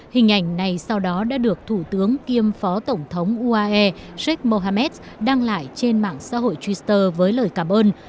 hình ảnh này sau đó đã được thủ tướng kiêm phó tổng thống uae she mohamed đăng lại trên mạng xã hội twitter với lời cảm ơn